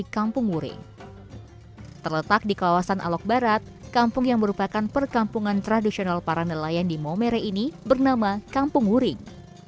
kampung wuring adalah kawasan tradisional para nelayan di maomere ini bernama kampung wuring